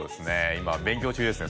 今勉強中ですね